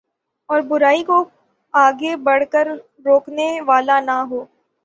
اور برائی کوآگے بڑھ کر روکنے والا نہ ہو